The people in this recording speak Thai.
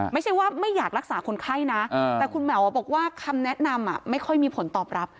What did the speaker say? ไม่ใช่ว่าไม่อยากรักษาคนไข้นะแต่คุณหมอบอกว่าคำแนะนำไม่ค่อยมีผลตอบรับ